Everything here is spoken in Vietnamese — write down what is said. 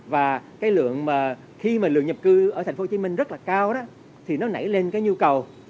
và khi mà lượng nhập cư ở tp hcm rất là cao thì nó nảy lên cái nhu cầu